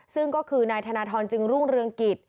ซึ่งก็คือนายธนทรจึงรุ่งเรืองกิจ